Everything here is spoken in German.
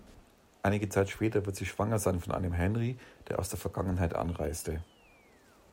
Einige Zeit später wird sie schwanger von einem Henry, der aus der Vergangenheit anreiste.